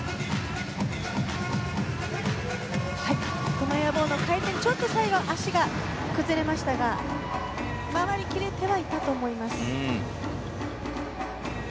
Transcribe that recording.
このエアボーン、回転がちょっと最後、脚が崩れましたが回り切れてはいたと思います。